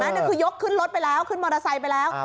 อันนี้ก็คือยกขึ้นรถไปแล้วขึ้นมอเตอร์ไซส์ไปแล้วอ่า